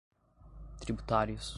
tributários